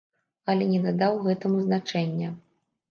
Але не надаў гэтаму значэння.